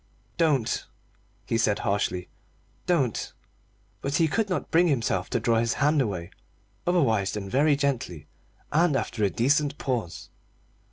"Don't," he said harshly, "don't." But he could not bring himself to draw his hand away otherwise than very gently, and after a decent pause.